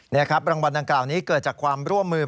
นี่ครับรางวัลดังกล่าวนี้เกิดจากความร่วมมือ